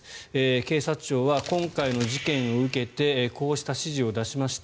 警察庁は今回の事件を受けてこうした指示を出しました。